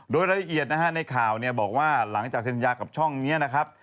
โดยรายละเอียดนะฮะในข่าวเนี่ยบอกว่าหลังจากสัญญากับช่องนี้นะครับ